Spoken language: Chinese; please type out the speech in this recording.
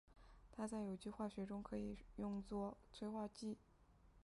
它在有机化学中可以用作催化剂。